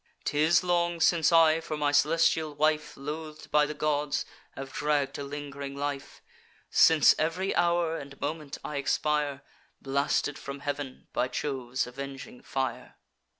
'Tis long since I, for my celestial wife Loath'd by the gods, have dragg'd a ling'ring life; Since ev'ry hour and moment I expire, Blasted from heav'n by Jove's avenging fire.